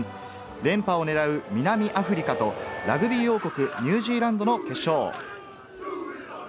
連覇を狙う南アフリカとラグビー王国・ニュージーランドの決勝。